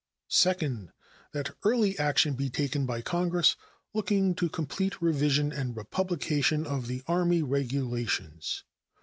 Second. That early action be taken by Congress looking to a complete revision and republication of the Army Regulations.